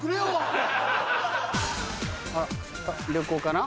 あっ旅行かな？